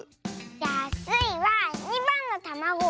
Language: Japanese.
じゃあスイは２ばんのたまご。